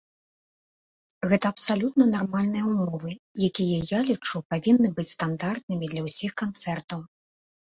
Гэта абсалютна нармальныя ўмовы, якія, я лічу, павінны быць стандартнымі для ўсіх канцэртаў.